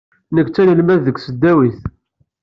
Nekk d tanelmadt deg tesdawit.